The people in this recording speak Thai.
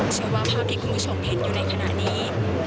เชื่อว่าภาพที่คุณผู้ชมเห็นอยู่ในขณะนี้